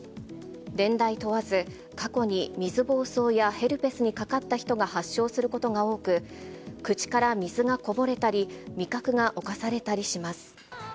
年代問わず、過去に水ぼうそうやヘルペスにかかった人が発症することが多く、口から水がこぼれたり、味覚が侵されたりします。